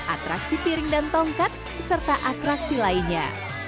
atraksi piring dan tongkat serta atraksi lainnya